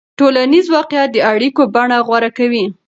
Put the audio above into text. ټولنیز واقعیت د اړیکو بڼه غوره کوي.